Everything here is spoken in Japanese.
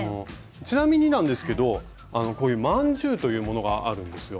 ちなみになんですけどこういう万十というものがあるんですよ。